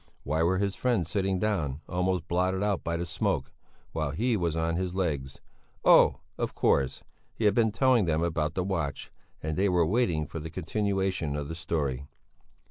Why were his friends sitting down, almost blotted out by the smoke, while he was on his legs? Oh! of course! He had been telling them about the watch, and they were waiting for the continuation of the story.